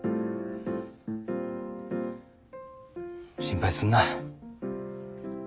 心配すんな。